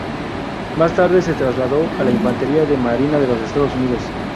Más tarde se trasladó a la Infantería de Marina de los Estados Unidos.